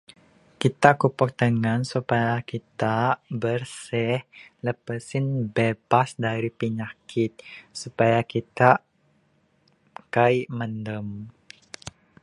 Kitak kupok tangan supaya kitak bersih. Lepas sen bebas dari penyakit supaya kitak kaik mandam.